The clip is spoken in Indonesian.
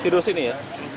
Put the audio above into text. tidur sini ya